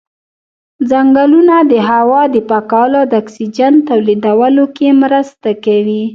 ځنګلونه د هوا د پاکولو او د اکسیجن تولیدولو کې مرسته کوي.